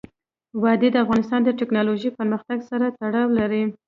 وادي د افغانستان د تکنالوژۍ پرمختګ سره تړاو لري.